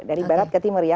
dari barat ke timur ya